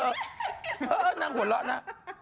เออนั่งหัวเราะน่ะ